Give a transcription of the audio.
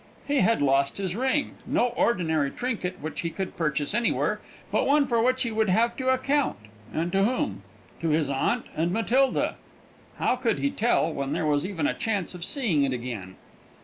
He had lost his ring no ordinary trinket which he could purchase anywhere, but one for which he would have to account and to whom? To his aunt and Matilda. How could he tell, when there was even a chance of seeing it again?